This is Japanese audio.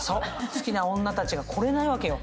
好きな女たちが来れないわけよ。